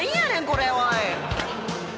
これおい！